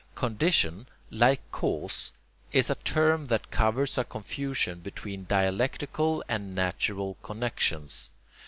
Condition, like cause, is a term that covers a confusion between dialectical and natural connections.